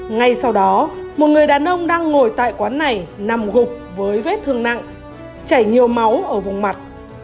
ngay sau đó một người đàn ông đang ngồi tại quán này nằm gục với vết thương nặng chảy nhiều máu ở vùng mặt